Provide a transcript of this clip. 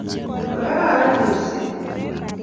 makararan chorset